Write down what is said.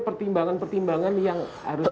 pertimbangan pertimbangan yang harus